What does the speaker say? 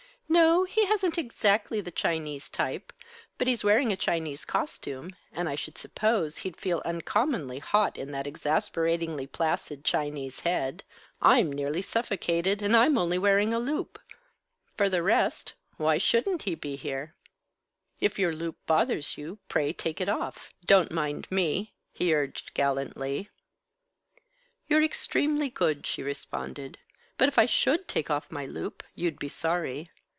No, he hasn't exactly the Chinese type, but he's wearing a Chinese costume, and I should suppose he'd feel uncommonly hot in that exasperatingly placid Chinese head. I'm nearly suffocated, and I'm only wearing a loup. For the rest, why shouldn't he be here?" "If your loup bothers you, pray take it off. Don't mind me," he urged gallantly. "You're extremely good," she responded. "But if I should take off my loup, you'd be sorry.